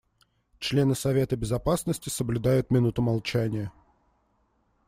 Члены Совета Безопасности соблюдают минуту молчания.